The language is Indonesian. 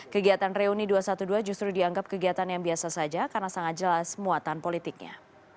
kegiatan reuni dua ratus dua belas justru dianggap kegiatan yang biasa saja karena sangat jelas muatan politiknya